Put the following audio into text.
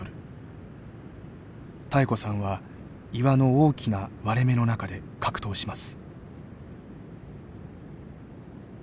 妙子さんは岩の大きな割れ目の中で格闘します。